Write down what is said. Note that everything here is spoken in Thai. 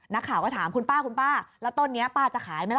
นักข่าวก็ถามคุณป้าคุณป้าแล้วต้นนี้ป้าจะขายไหมล่ะ